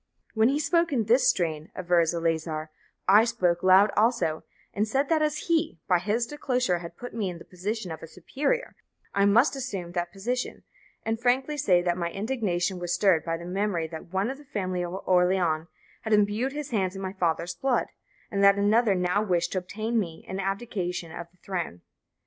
"When he spoke in this strain," avers Eleazar, "I spoke loud also, and said that as he, by his disclosure, had put me in the position of a superior, I must assume that position, and frankly say that my indignation was stirred by the memory that one of the family of Orleans had imbued his hands in my father's blood, and that another now wished to obtain from me an abdication of the throne."